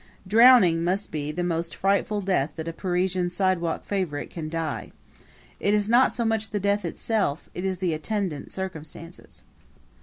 Drowning must be the most frightful death that a Parisian sidewalk favorite can die. It is not so much the death itself it is the attendant circumstances.